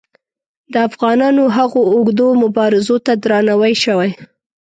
د افغانانو هغو اوږدو مبارزو ته درناوی شوی.